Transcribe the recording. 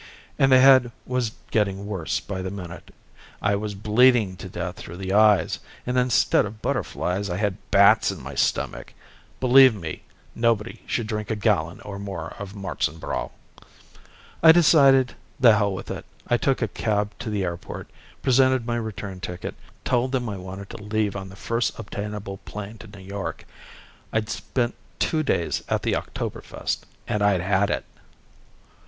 And the head was getting worse by the minute. I was bleeding to death through the eyes and instead of butterflies I had bats in my stomach. Believe me, nobody should drink a gallon or more of Marzenbräu. I decided the hell with it. I took a cab to the airport, presented my return ticket, told them I wanted to leave on the first obtainable plane to New York. I'd spent two days at the Oktoberfest, and I'd had it.